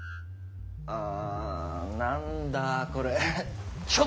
ああ何だこれェ。